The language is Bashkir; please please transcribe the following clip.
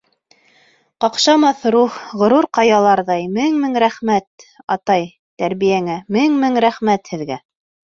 Ҡаҡшамаҫ рух, ғорур ҡаяларҙай, Мең-мең рәхмәт, атай, тәрбиәңә, Мең-мең рәхмәт һеҙгә!